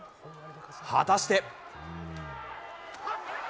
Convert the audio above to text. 果たして。